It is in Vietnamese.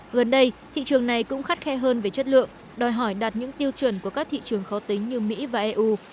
gần đây thị trường này cũng khắt khe hơn về chất lượng đòi hỏi đạt những tiêu chuẩn của các thị trường khó tính như mỹ và eu